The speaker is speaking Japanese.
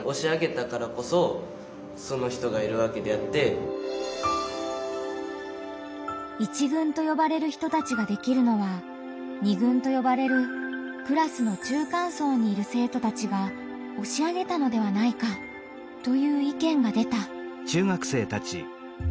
庶民というか１軍とよばれる人たちができるのは２軍とよばれるクラスの中間層にいる生徒たちが押し上げたのではないかという意見が出た。